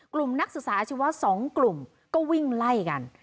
นักศึกษาอาชีวะ๒กลุ่มก็วิ่งไล่กัน